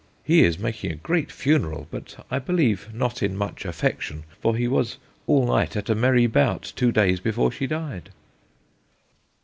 He is making a great funerall, but I believe not in much affection, for he was all night at a merry bout two days before she died."